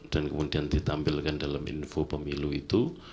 dan kemudian ditampilkan dalam info pemilu itu